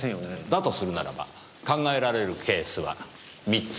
だとするならば考えられるケースは３つ。